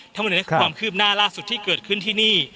ทั้งหมดนี้คือความคืบหน้าล่าสุดที่เกิดขึ้นที่นี่